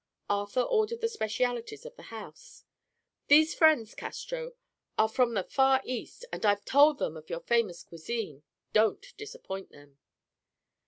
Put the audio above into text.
Arthur ordered the specialties of the house. "These friends, Castro, are from the far East, and I've told them of your famous cuisine. Don't disappoint them."